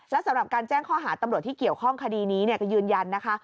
และสำหรับการแจ้งข้อหาตำรวจที่เกี่ยวข้องคดีนี้ก็ยืนยันนะคะ